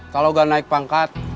kalau gak naik pangkat